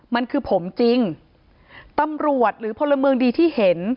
มันคือผมจริงตำรวจหรือพลเมืองดีที่เห็น